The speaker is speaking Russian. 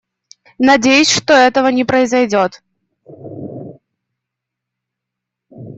Надеюсь, что этого не произойдет.